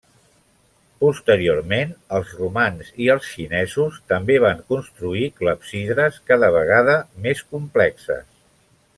Posteriorment, els romans i els xinesos també van construir clepsidres cada vegada més complexes.